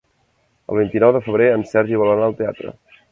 El vint-i-nou de febrer en Sergi vol anar al teatre.